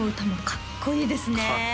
かっこいいですね